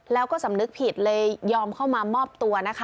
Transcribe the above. แล้วก็สำนึกผิดเลยยอมเข้ามามอบตัวนะคะ